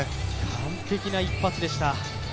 完璧な一発でした。